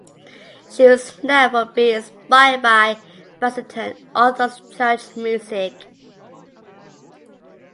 She was known for being inspired by Byzantine Orthodox church music.